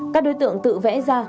các đối tượng tự vẽ ra